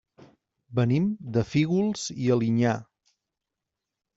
Venim de Fígols i Alinyà.